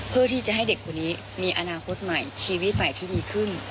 เพื่อที่จะให้เด็กคนนี้มีอนาคตใหม่ชีวิตใหม่ที่ดีขึ้น